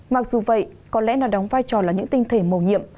mặc dù vậy có lẽ nó đóng vai trò là những tinh thể màu nhiệm